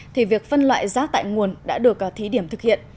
thì việc phân loại rác tại nguồn đã được thí điểm thực hiện